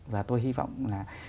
và tôi hy vọng là